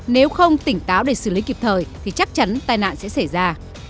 nếu không tỉnh táo để xử lý kịp thời thì chắc chắn tai nạn sẽ xảy ra